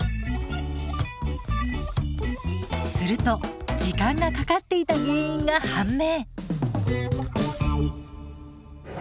すると時間がかかっていた原因が判明。